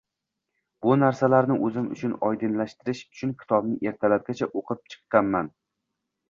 Bu narsalarni oʻzim uchun oydinlashtirish uchun kitobni ertalabgacha oʻqib chiqqanman.